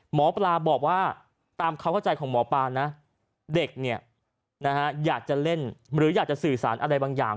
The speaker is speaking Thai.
หมอปลาบอกว่าตามความเข้าใจของหมอปลานะเด็กเนี่ยนะฮะอยากจะเล่นหรืออยากจะสื่อสารอะไรบางอย่าง